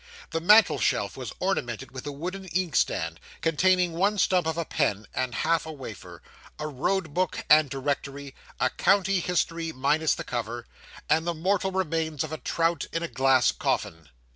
The mantel shelf was ornamented with a wooden inkstand, containing one stump of a pen and half a wafer; a road book and directory; a county history minus the cover; and the mortal remains of a trout in a glass coffin.